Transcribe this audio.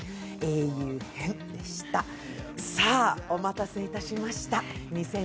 お待たせいたしました。